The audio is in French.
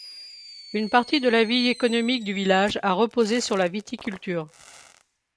Une partie de la vie économique du village a reposé sur la viticulture.